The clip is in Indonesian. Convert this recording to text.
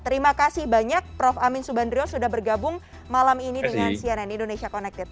terima kasih banyak prof amin subandrio sudah bergabung malam ini dengan cnn indonesia connected